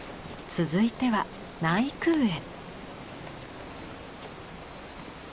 続いては内宮へ。